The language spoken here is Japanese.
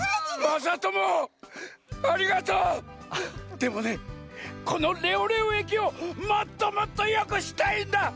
でもねこのレオレオえきをもっともっとよくしたいんだ！